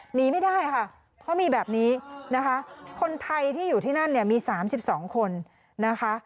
หนีไม่ได้ค่ะเพราะมีแบบนี้นะคะคนไทยที่อยู่ที่นั่นเนี่ยมี๓๒คนนะคะ